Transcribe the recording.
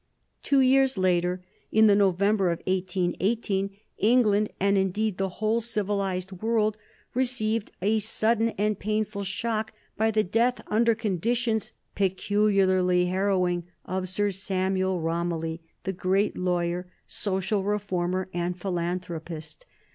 Two years later, in the November of 1818, England, and indeed the whole civilized world, received a sudden and painful shock by the death, under conditions peculiarly harrowing, of Sir Samuel Romilly, the great lawyer, social reformer, and philanthropist.